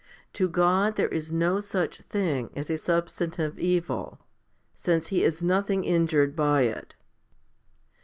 To God there is no such thing as a substantive evil, since He is in nothing injured by it.